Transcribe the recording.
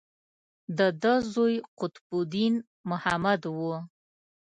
د ده زوی قطب الدین محمد و.